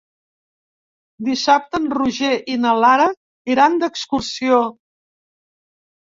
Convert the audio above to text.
Dissabte en Roger i na Lara iran d'excursió.